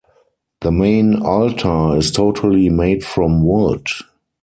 The main altar is totally made from wood.